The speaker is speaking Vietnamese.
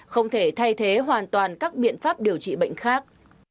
không thể thay thế hoàn toàn các biện pháp điều trị bệnh khác